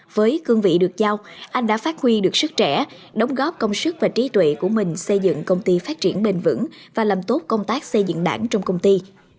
với cương vị được giao anh đã phát huy được sức trẻ đóng góp công sức và trí tuệ của mình xây dựng công ty phát triển bền vững và làm tốt công tác xây dựng đảng trong công ty